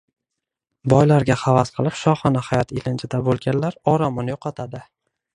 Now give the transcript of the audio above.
Boylarga havas qilib, shohona hayot ilinjida bo‘lganlar oromini yo‘qotadi.